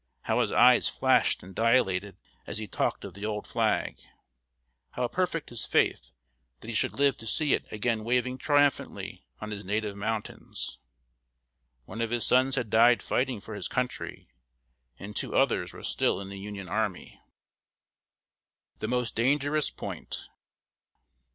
How his eyes flashed and dilated as he talked of the old flag! How perfect his faith that he should live to see it again waving triumphantly on his native mountains! One of his sons had died fighting for his country, and two others were still in the Union army. [Sidenote: THE MOST DANGEROUS POINT.